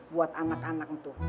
buat anak anak itu